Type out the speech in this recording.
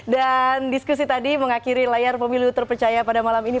dan diskusi tadi mengakhiri layar pemilu terpercaya pada malam ini